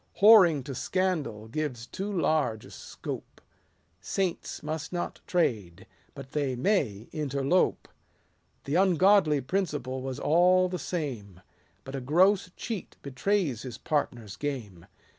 Whoring to scandal gives too large a scope : Saints must not trade ; but they may interlope : The ungodly principle was all the same ; But a gross cheat betrays his partner's game.